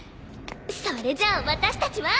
それじゃあ私たちは。